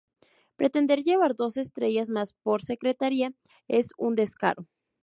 Pretender llevar dos estrellas más por secretaría es un descaro.